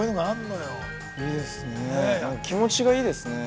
気持ちがいいですね。